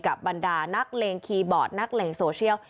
บรรดานักเลงคีย์บอร์ดนักเลงโซเชียล